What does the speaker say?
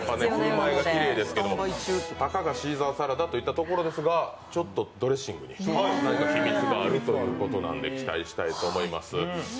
たかがシーザーサラダといったところですが、ちょっとドレッシングに秘密があるということなんで期待したいと思います。